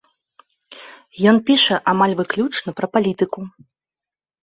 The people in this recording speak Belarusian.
Ён піша амаль выключна пра палітыку.